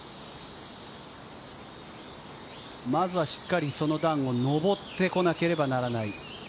まずはしっかり、その段を上ってこなければならない。